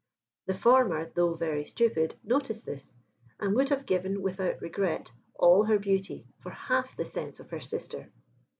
The former, though very stupid, noticed this, and would have given, without regret, all her beauty for half the sense of her sister.